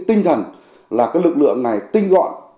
tinh thần là cái lực lượng này tinh gọn